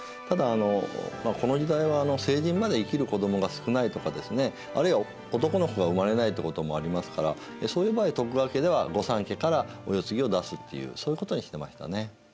ただあのこの時代は成人まで生きる子どもが少ないとかですねあるいは男の子が生まれないということもありますからそういう場合徳川家では御三家からお世継ぎを出すっていうそういうことにしてましたね。